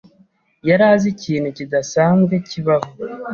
yari azi ikintu kidasanzwe kibaho.